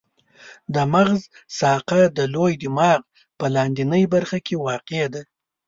د مغز ساقه د لوی دماغ په لاندنۍ برخه کې واقع ده.